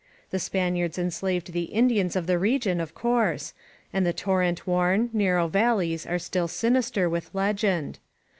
The Spaniards enslaved the Indians of the region, of course, and the 307 INSURGENT MEXICO torrent worn, narrow valleys are still sinister with legend.